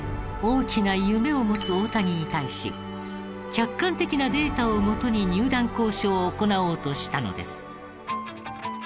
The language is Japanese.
大きな夢を持つ大谷に対し客観的なデータをもとに入団交渉を行おうとしたのです。